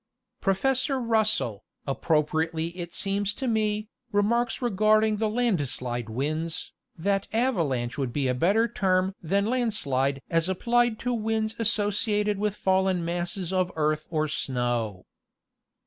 Professor Russell, appropriately it seems to me, remarks regarding the landslide winds, that avalanche would be a better term than landslide as applied to winds associated with fallen masses of earth or snow.